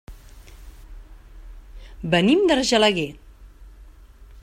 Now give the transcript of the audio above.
Venim d'Argelaguer.